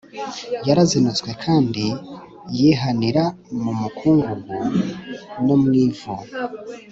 yarizinutswe kandi yihanira mu mukungugu no mu ivu